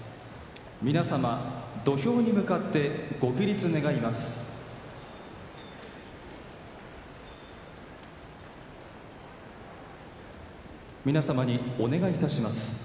皆さん、土俵に向かってご起立願います。